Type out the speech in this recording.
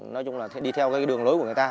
nói chung là đi theo cái đường lối của người ta